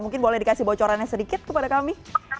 mungkin boleh dikasih bocorannya sedikit kepada kami